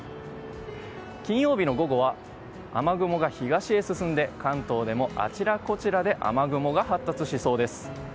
金曜日の午後は雨雲が東へ進んで関東でもあちらこちらで雨雲が発達しそうです。